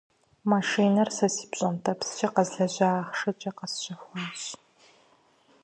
Машинэр сэ си пщӀэнтӀэпскӀэ къэзлэжьа ахъшэкӀэ къэсщэхуащ.